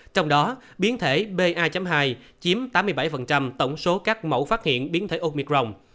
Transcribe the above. trong đó biến thể ba hai kiếm tám mươi bảy tổng số các mẫu phát hiện biến thể omicron